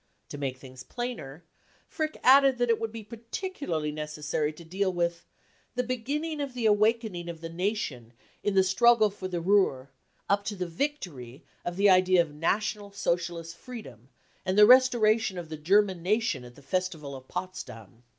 To make things plainer, Frick added that it would be particu larly necessary to deal with 4 4 the beginning of the awaken ing of the nation in the struggle for the Ruhr, up to the victory of the idea of National Socialist freedom and the restoration of the German nation at the festival of Potsdam."